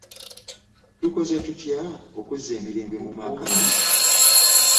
Tukoze tutya okuzza emirembe mu maka?